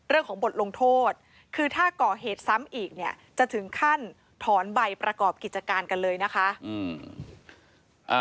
เรื่องของบทลงโทษคือถ้าก่อเหตุซ้ำอีกเนี่ยจะถึงขั้นถอนใบประกอบกิจการกันเลยนะคะ